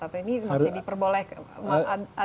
atau ini masih diperboleh